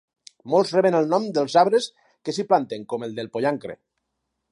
Molts reben el nom dels arbres que s'hi planten, com el del pollancre.